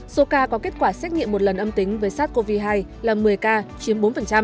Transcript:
số ca có kết quả xét nghiệm một lần âm tính với sars cov hai là một mươi ca chiếm bốn